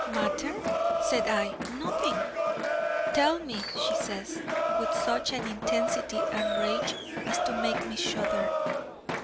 'Matter?' said I, 'nothing!' 'Tell me!' she says with such an intensity and rage, as to make me shudder.